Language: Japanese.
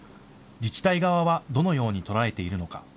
自治体側はどのように捉えているのか。